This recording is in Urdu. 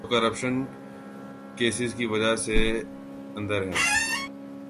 جو کرپشن کیسز کی وجہ سے اندر ہیں۔